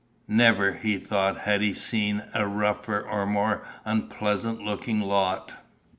Never, he thought, had he seen a rougher or more unpleasant looking lot.